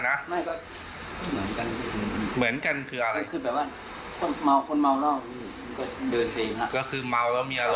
กอดด้วยพี่ผมก็ไม่แน่ใจมั้ยพี่นะ